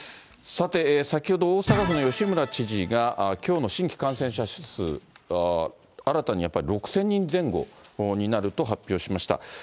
さて、先ほど大阪府の吉村知事が、きょうの新規感染者数、新たにやっぱり、６０００人前後になると発表しました。